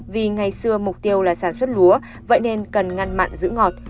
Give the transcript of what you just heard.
vì ngày xưa mục tiêu là sản xuất lúa vậy nên cần ngăn mặn giữ ngọt